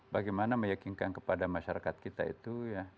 bagaimana meyakinkan kepada masyarakat kita itu ya